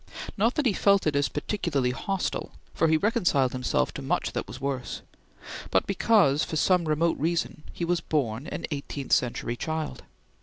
Not that he felt it as particularly hostile, for he reconciled himself to much that was worse; but because, for some remote reason, he was born an eighteenth century child.